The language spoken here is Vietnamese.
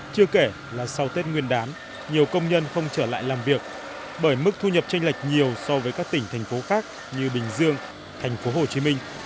chưa kể là sau tết nguyên đán nhiều công nhân không trở lại làm việc bởi mức thu nhập tranh lệch nhiều so với các tỉnh thành phố khác như bình dương thành phố hồ chí minh